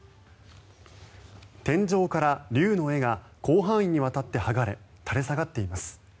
天井から竜の絵が広範囲にわたって剥がれ垂れ下がっています。